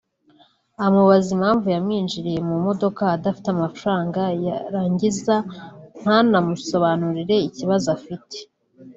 amubaza impamvu yamwinjiriye mu modoka adafite amafaranga yarangiza ntanamusobanurire ikibazo afite